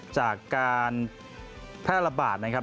จากการแพร่ระบาดนะครับ